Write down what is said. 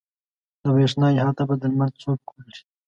د برېښنا احاطه به د لمر څوک وکړي.